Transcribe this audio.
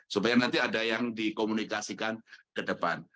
supaya nanti ada yang dikomunikasikan ke depan